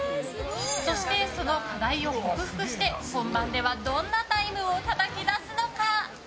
そして、その課題を克服して本番ではどんなタイムをたたき出すのか？